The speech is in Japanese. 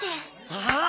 ああ！